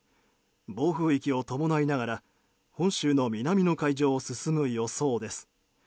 暴風域を伴いながら本州の南の海上を進む予想です。